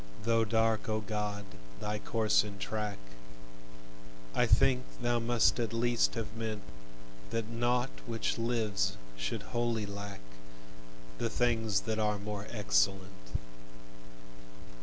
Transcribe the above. Though dark, O God, Thy course and track, I think Thou must at least have meant That nought which lives should wholly lack The things that are more excellent.